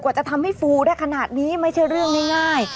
จะทำให้ฟูได้ขนาดนี้ไม่ใช่เรื่องง่าย